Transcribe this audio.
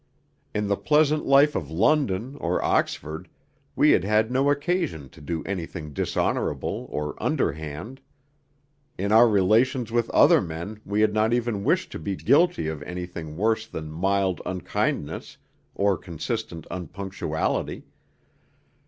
In the pleasant life of London or Oxford we had had no occasion to do anything dishonourable or underhand; in our relations with other men we had not even wished to be guilty of anything worse than mild unkindnesses or consistent unpunctuality.